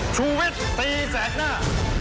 ชุวิตตีแสดหน้า